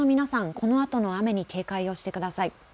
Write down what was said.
このあとの雨に警戒をしてください。